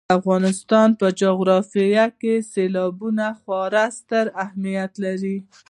د افغانستان په جغرافیه کې سیلابونه خورا ستر اهمیت لري.